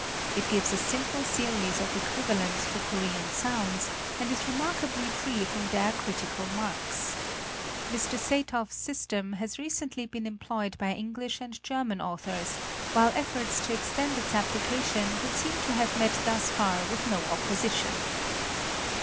It gives a simple series of equivalents for Korean sounds, and is remarkably free from diacritical marks. Mr. Satow's sys tem has recently been employed by English and German authors, while efforts to extend its application would seem to have met thus far with no opposition.